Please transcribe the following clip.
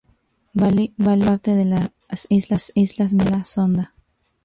Bali es parte de las Islas menores de la Sonda.